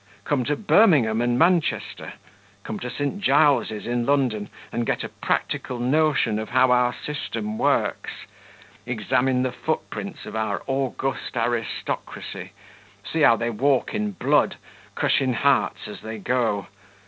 Come to Birmingham and Manchester; come to St. Giles' in London, and get a practical notion of how our system works. Examine the footprints of our august aristocracy; see how they walk in blood, crushing hearts as they go.